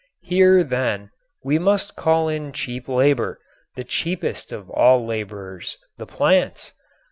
Here, then, we must call in cheap labor, the cheapest of all laborers, the plants.